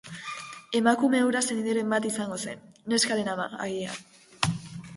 Emakume hura senideren bat izango zen, neskaren ama, agian.